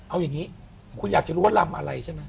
เอาอย่างนี้คุณอยากจะรู้ว่าลำอะไรใช่ไหม